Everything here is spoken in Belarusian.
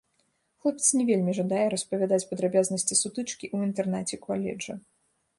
Хлопец не вельмі жадае распавядаць падрабязнасці сутычкі ў інтэрнаце каледжа.